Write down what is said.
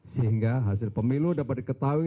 sehingga hasil pemilu dapat diketahui